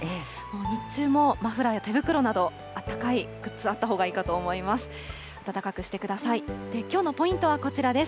日中もマフラーや手袋など、あったかいグッズ、あったほうがいいかと思います。